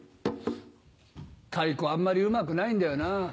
太鼓あんまりうまくないんだよなぁ。